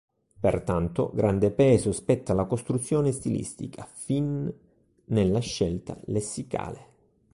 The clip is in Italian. Pertanto, grande peso spetta alla costruzione stilistica, fin nella scelta lessicale.